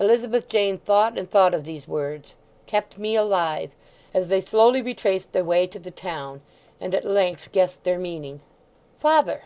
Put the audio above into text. Elizabeth Jane thought and thought of these words "kept me alive," as they slowly retraced their way to the town, and at length guessed their meaning. "Father!